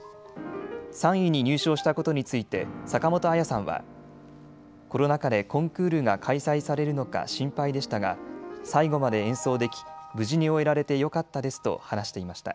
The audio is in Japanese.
３位に入賞したことについて坂本彩さんはコロナ禍でコンクールが開催されるのか心配でしたが最後まで演奏でき無事に終えられてよかったですと話していました。